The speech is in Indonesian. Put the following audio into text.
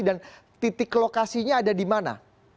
dan titik lokasinya ada di mana